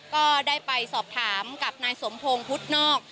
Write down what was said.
ก็ได้ไปสอบถามกับนายสมพงศ์พุทธนอก